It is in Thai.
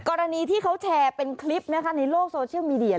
กรณีที่เขาแชร์เป็นคลิปนะคะในโลกโซเชียลมีเดีย